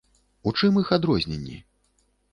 У чым іх адрозненні?